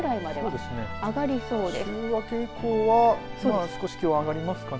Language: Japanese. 週明け以降は少し気温は上がりますかね。